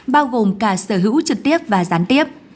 bao gồm cả sở hữu trực tiếp và gián tiếp